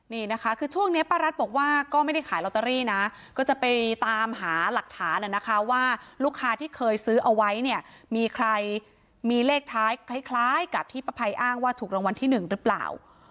นี่นะคะคือช่วงนี้ป้ารัสบอกว่าก็ไม่ได้ขายลอตเตอรี่นะก็จะไปตามหาหลักฐานนะคะว่าลูกค้าที่เคยซื้อเอาไว้เนี่ยมีใครมีเลขท้ายคล้ายกับที่ป้าภัยอ้างว่าถูกรางวัลที่หนึ่งหรือเปล่า